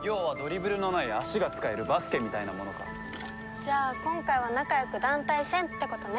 じゃあ今回は仲良く団体戦ってことね。